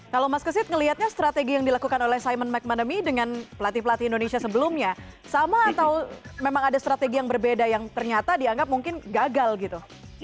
kalau mas kesit ngelihatnya strategi yang dilakukan oleh simon mcmanamy dengan pelatih pelatih indonesia sebelumnya sama atau memang ada strategi yang berbeda yang ternyata dianggap mungkin gagal gitu